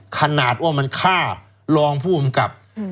ขนาดว่ามันฆ่ารองผู้กำกับ